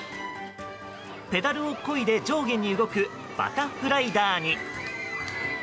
ペダルを漕いで上下に動くバタフライダーに。